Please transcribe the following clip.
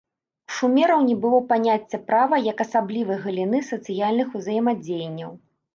У шумераў не было паняцця права як асаблівай галіны сацыяльных узаемадзеянняў.